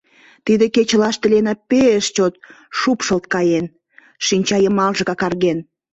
Тиде кечылаште Лена пеш чот шупшылт каен, шинча йымалже какарген.